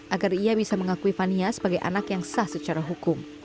agar ia bisa mengakui fania sebagai anak yang sah secara hukum